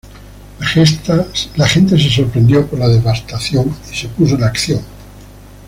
La gente se sorprendió por la devastación y se puso en acción.